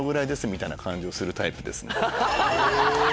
みたいな感じをするタイプですね。